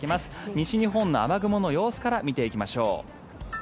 西日本の雨雲の様子から見ていきましょう。